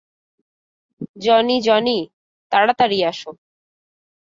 Johnny, Johnny, তাড়াতাড়ি আসো।